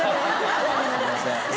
すいません。